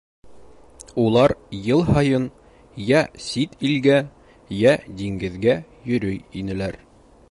Улар йыл һайын йә сит илгә, йә диңгеҙгә йөрөй инеләр.